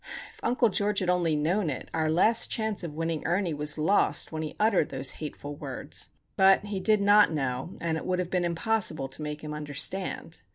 If Uncle George had only known it, our last chance of winning Ernie was lost when he uttered those hateful words. But he did not know, and it would have been impossible to make him understand.